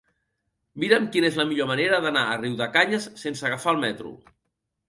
Mira'm quina és la millor manera d'anar a Riudecanyes sense agafar el metro.